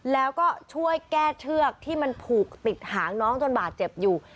แล้วก็ช่วยแก้เชือกที่มันผูกติดหางน้องจนบาดเจ็บอยู่